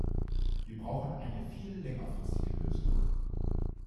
Wir brauchen eine viel längerfristige Lösung.